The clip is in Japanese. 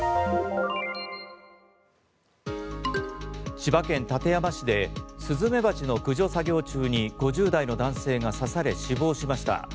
千葉県館山市でスズメバチの駆除作業中に５０代の男性が刺され死亡しました。